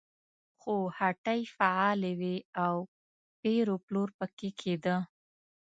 خو هټۍ فعالې وې او پېر و پلور پکې کېده.